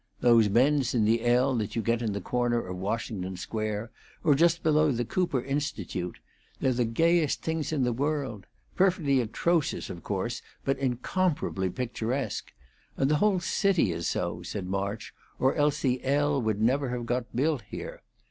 Those bends in the L that you get in the corner of Washington Square, or just below the Cooper Institute they're the gayest things in the world. Perfectly atrocious, of course, but incomparably picturesque! And the whole city is so," said March, "or else the L would never have got built here.